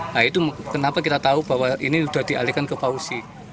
nah itu kenapa kita tahu bahwa ini sudah dialihkan ke fauzi